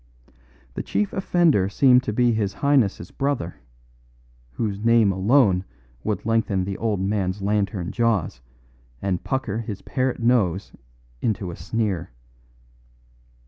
The chief offender seemed to be his highness's brother, whose name alone would lengthen the old man's lantern jaws and pucker his parrot nose into a sneer.